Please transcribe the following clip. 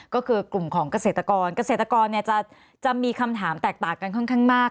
ก็คือกลุ่มของเกษตรกรเกษตรกรจะมีคำถามแตกต่างกันค่อนข้างมาก